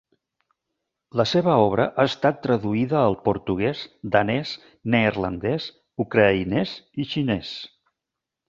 La seva obra ha estat traduïda al portuguès, danès, neerlandès, ucraïnès i xinès.